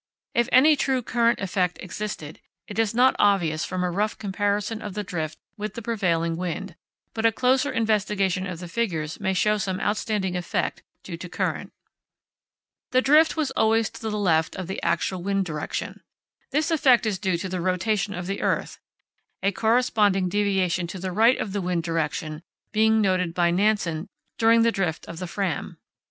If any true current effect existed, it is not obvious from a rough comparison of the drift with the prevailing wind, but a closer investigation of the figures may show some outstanding effect due to current. The drift was always to the left of the actual wind direction. This effect is due to the rotation of the earth, a corresponding deviation to the right of the wind direction being noted by Nansen during the drift of the Fram.